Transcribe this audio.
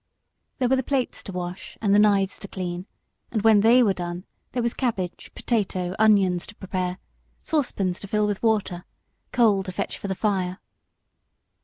There were the plates to wash and the knives to clean, and when they were done there were potatoes, cabbage, onions to prepare, saucepans to fill with water, coal to fetch for the fire.